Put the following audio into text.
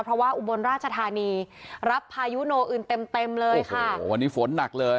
เพราะว่าอุบลราชทานีรับพายุโนอื่นเต็มเลยวันนี้ฝนหนักเลย